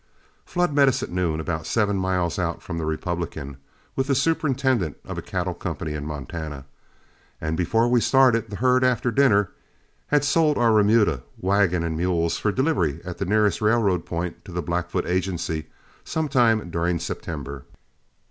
Flood met us at noon about seven miles out from the Republican with the superintendent of a cattle company in Montana, and, before we started the herd after dinner, had sold our remuda, wagon, and mules for delivery at the nearest railroad point to the Blackfoot Agency sometime during September.